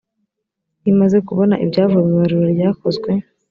imaze kubona ibyavuye mu ibarura ryakozwe